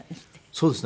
そうですね。